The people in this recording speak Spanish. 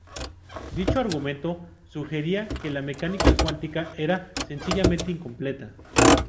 Dicho argumento sugería que la mecánica cuántica era sencillamente incompleta.